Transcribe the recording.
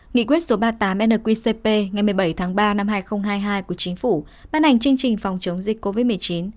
nghị quyết số ba mươi tám nqcp ngày một mươi bảy tháng ba năm hai nghìn hai mươi hai của chính phủ ban hành chương trình phòng chống dịch covid một mươi chín